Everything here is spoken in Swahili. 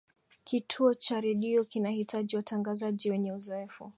kituo cha redio kinahitaji watangazaji wenye uzoefu